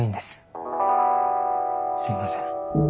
すいません。